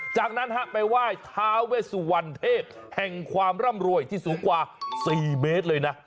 จากนั้นไปไหว้ทาเวสุวรรณเทพแห่งความร่ำรวยที่สูงกว่า๔เมตรเลยนะ